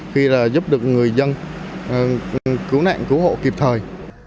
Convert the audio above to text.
khi là giúp được người dân cứu nạn cứu hộ kịp thời